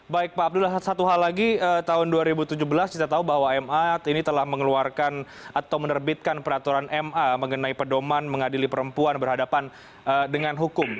baik pak abdullah satu hal lagi tahun dua ribu tujuh belas kita tahu bahwa ma ini telah mengeluarkan atau menerbitkan peraturan ma mengenai pedoman mengadili perempuan berhadapan dengan hukum